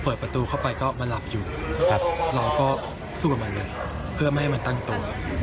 เปิดประตูเข้าไปก็มาหลับอยู่ครับเราก็สู้กับมันเลยเพื่อไม่ให้มันตั้งตัว